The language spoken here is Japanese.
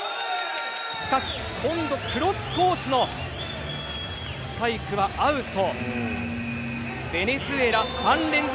しかし、クロスコースのスパイクはアウト。